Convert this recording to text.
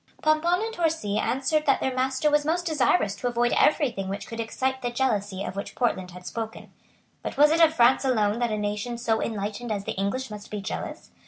Pomponne and Torcy answered that their master was most desirous to avoid every thing which could excite the jealousy of which Portland had spoken. But was it of France alone that a nation so enlightened as the English must be jealous?